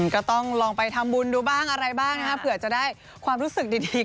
ก็ต้องลองไปทำบุญดูบ้างอะไรบ้างนะครับเผื่อจะได้ความรู้สึกดี